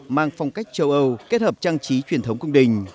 mang phong cách châu âu kết hợp trang trí truyền thống cung đình